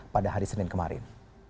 pada hari senin kemarin